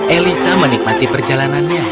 elisa menikmati perjalanannya